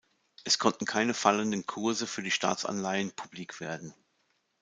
Es konnten keine fallenden Kurse für die Staatsanleihen publik werden.